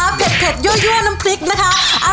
เผ็ดยั่วน้ำพริกนะคะ